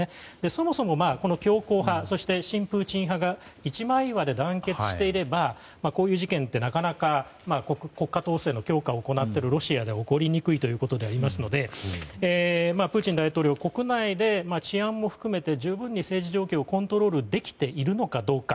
そもそも強硬派親プーチン派が一枚岩で団結していればこういう事件ってなかなか国家統制の強化を行っているロシアでは起こりにくいことではありますのでプーチン大統領は国内で治安も含めて十分に政治状況をコントロールできているのかどうか。